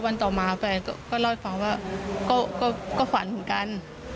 วันต่อมาแฟนก็เล่าฟังก็ฝันเหมือนกัน